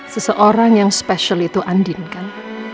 seseorang yang spesial itu andin kan